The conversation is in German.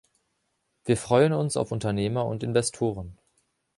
Wir freuen uns auf Unternehmer und Investoren.